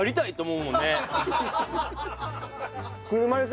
うん。